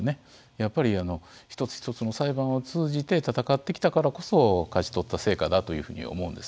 やっぱり、一つ一つの裁判を通じて戦ってきたからこそ勝ち取った成果だというふうに思うんです。